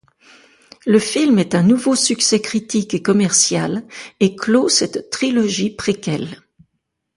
Le film est un nouveau succès critique et commercial, et clôt cette trilogie préquelle.